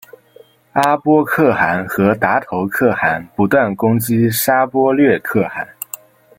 阿波可汗和达头可汗不断攻击沙钵略可汗。